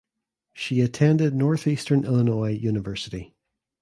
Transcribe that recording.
She attended Northeastern Illinois University.